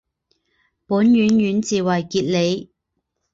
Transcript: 本县县治为杰里。